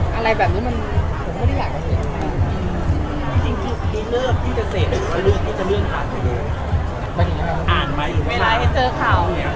แค่ยังไม่อ่าน